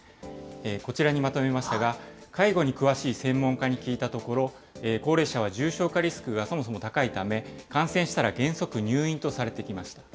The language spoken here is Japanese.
こちらにまとめましたが、介護に詳しい専門家に聞いたところ、高齢者は重症化リスクがそもそも高いため、感染したら原則入院とされてきました。